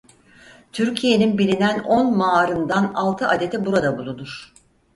Türkiye'nin bilinen on maarından altı adeti burada bulunur.